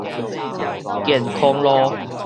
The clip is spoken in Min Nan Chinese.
健康路